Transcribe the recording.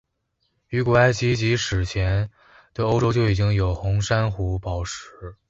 于古埃及及史前的欧洲就已经有红珊瑚宝石。